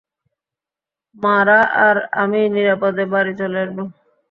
মারা আর আমি নিরাপদে বাড়ি চলে আসবো।